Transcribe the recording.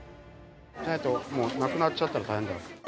もうなくなっちゃったら大変だ。